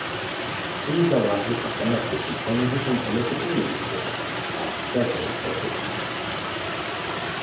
These arrivals are connected to changes in political leadership at several of the sites.